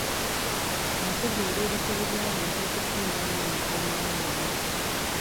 Ategeera ebizibu by'abantu okusinga n'omuntu omulala yenna.